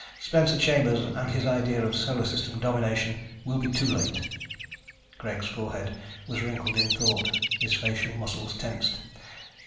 Spencer Chambers and his idea of Solar System domination will be too late." Greg's forehead was wrinkled in thought, his facial muscles tensed.